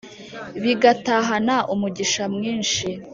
bigatahana umugisha mwinshi